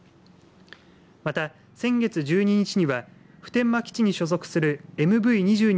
また、先月１２日には普天間基地に所属するＭＶ２２